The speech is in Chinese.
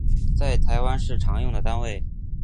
在台湾是常用的单位